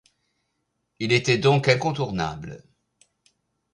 Il était donc incontournable.